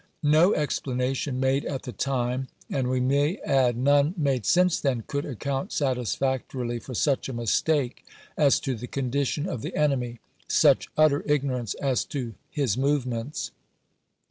No explanation made at the time, and, we may add, none made since then, could account satisfactorily for such a mistake as to the condition of the enemy, such utter ignorance as to his movements.